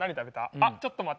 あちょっと待って。